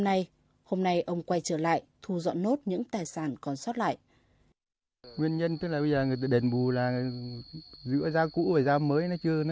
năm nay hôm nay ông quay trở lại thu dọn nốt những tài sản còn sót lại